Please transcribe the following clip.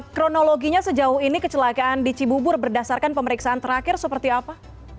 kronologinya sejauh ini kecelakaan di cibubur berdasarkan pemeriksaan terakhir seperti apa